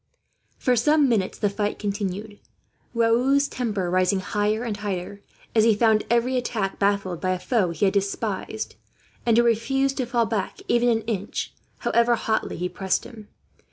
For some minutes the fight continued, Raoul's temper rising higher and higher, as he found every attack baffled by a foe he had despised, and who refused to fall back even an inch, however hotly he pressed him.